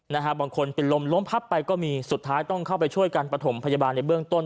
นะฮะบางคนเป็นลมล้มพับไปก็มีสุดท้ายต้องเข้าไปช่วยกันประถมพยาบาลในเบื้องต้น